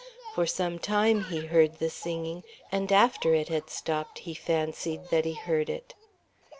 For some time he heard the singing, and after it had stopped he fancied that he heard it.